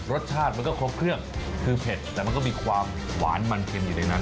รสชาติมันก็ครบเครื่องคือเผ็ดแต่มันก็มีความหวานมันเค็มอยู่ในนั้น